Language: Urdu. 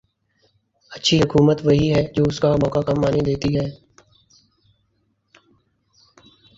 اچھی حکومت وہی ہے جو اس کا موقع کم آنے دیتی ہے۔